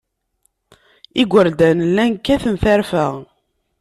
Igerdan llan kkaten tarfa.